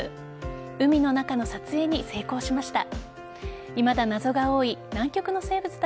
海の中の撮影に成功しました。